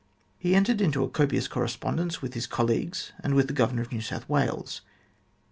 He entered into a copious correspondence with his colleagues and with the Governor of New South Wales.